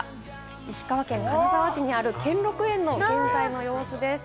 石川県金沢市にある兼六園の現在の様子です。